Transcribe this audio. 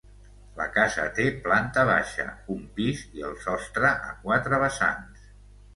La casa té planta baixa, un pis i el sostre a quatre vessants.